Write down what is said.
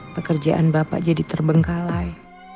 pekerjaan bapak jadi terbengkalai